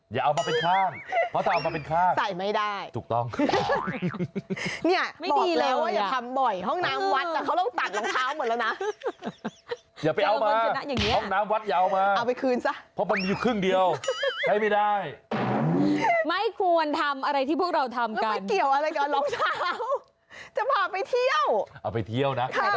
จะพาไปเที่ยวเอาไปเที่ยวนะค่ะสวย